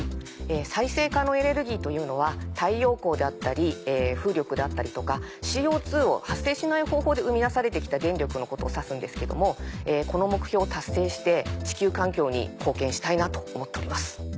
再生可能エネルギーというのは太陽光であったり風力であったりとかＣＯを発生しない方法で生み出されて来た電力のことを指すんですけどもこの目標を達成して地球環境に貢献したいなと思っております。